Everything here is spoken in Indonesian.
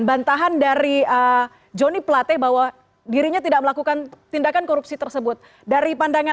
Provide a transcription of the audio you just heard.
bantahan dari johnny plate bahwa dirinya tidak melakukan tindakan korupsi tersebut dari pandangan